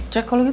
cek kalau gitu